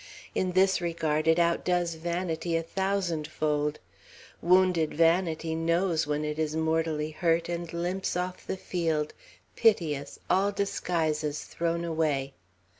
In this regard, it outdoes vanity a thousandfold. Wounded vanity knows when it is mortally hurt; and limps off the field, piteous, all disguises thrown away.